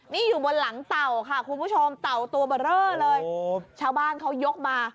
นี่อยู่บนหลังเต่าค่ะคุณผู้ชมเต่าตัวเบอร์เรอเลยชาวบ้านเขายกมา